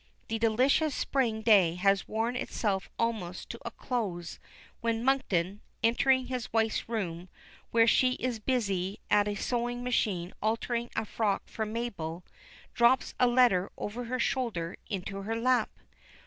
The delicious spring day has worn itself almost to a close when Monkton, entering his wife's room, where she is busy at a sewing machine altering a frock for Mabel, drops a letter over her shoulder into her lap.